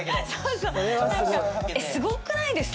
すごくないですか？